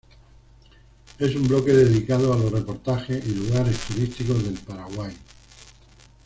Es un bloque dedicado a los reportajes y lugares turísticos del Paraguay